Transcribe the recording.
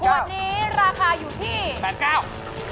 ขวดนี้ราคาอยู่ที่๘๙เบอร์